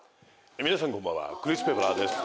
皆さんこんばんはクリス・ペプラーです。